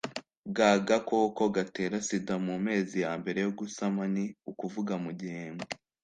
bw agakoko gatera sida mu mezi ya mbere yo gusama ni ukuvuga mu gihembwe